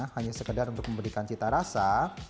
hanya sekedar untuk memberikan cita rasa